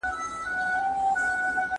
¬ قربان تر خپله کوره، چي خبره سي په زوره.